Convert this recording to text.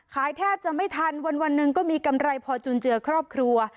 แทบจะไม่ทันวันหนึ่งก็มีกำไรพอจุนเจือครอบครัว